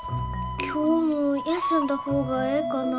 今日も休んだ方がええかな？